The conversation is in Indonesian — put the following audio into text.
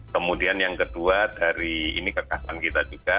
kemudian yang kedua dari ini kekasan kita juga